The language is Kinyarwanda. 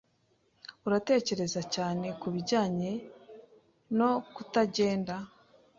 Uratekereza cyane kubijyanye no kutagenda?